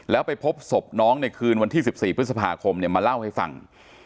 แล้วไปพบศพน้องในคืนวันที่๑๔พฤษภาคมมาเล่าให้ฟัง